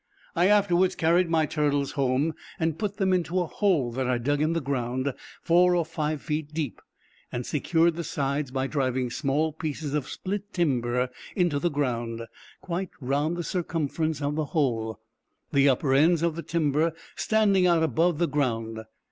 I afterwards carried my turtles home, and put them into a hole that I dug in the ground, four or five feet deep, and secured the sides by driving small pieces of split timber into the ground, quite round the circumference of the hole, the upper ends of the timber standing out above the ground.